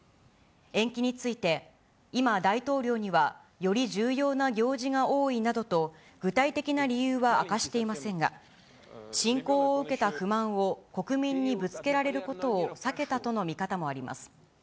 延期について、今、大統領にはより重要な行事が多いなどと、具体的な理由は明かしていませんが、侵攻を受けた不満を国民にぶつけられることを避けたとの見方もあります。